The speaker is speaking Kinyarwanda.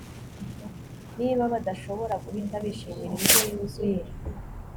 Niba badashobora guhita bishimira indyo yuzuye